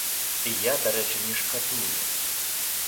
І я, дарэчы, не шкадую.